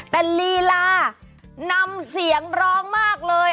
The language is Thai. แต่ลีลานำเสียงร้องมากเลย